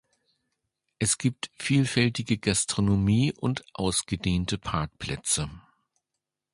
Es gibt vielfältige Gastronomie und ausgedehnte Parkplätze.